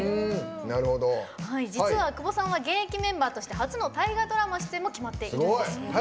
実は久保さんは現役メンバーとして初の大河ドラマ出演も決まっています。